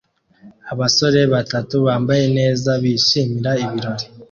Abasore batatu bambaye neza bishimira ibirori